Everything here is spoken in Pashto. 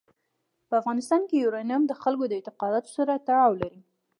په افغانستان کې یورانیم د خلکو د اعتقاداتو سره تړاو لري.